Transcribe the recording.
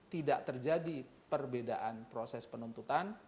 tidak terjadi perbedaan proses penuntutan